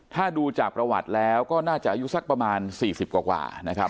ถ้าดูจากประวัติแล้วก็น่าจะอายุสักประมาณ๔๐กว่านะครับ